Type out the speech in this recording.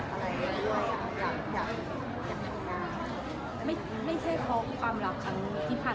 แต่ตอนนี้ไม่ต้องการใครค่ะ